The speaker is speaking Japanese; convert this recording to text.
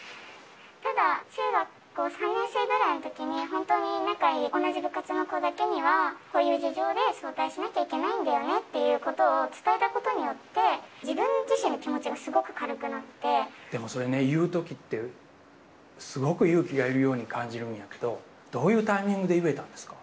ただ、中学校３年生ぐらいのときに、本当に仲いい、同じ部活の子だけには、こういう事情で早退しなきゃいけないんだよねということを伝えたことによって、自分自身の気持ちがすごくでもそれね、言うときって、すごく勇気がいるように感じるんだけど、どういうタイミングで言えたんですか？